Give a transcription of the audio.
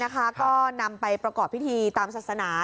ก็นำไปประกอบพิธีตามศาสนา